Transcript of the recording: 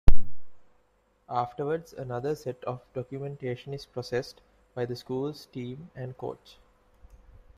Afterwards, another set of documentation is processed by the school's team and coach.